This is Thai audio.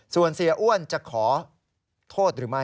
ส่วนเสียอ้วนจะขอโทษหรือไม่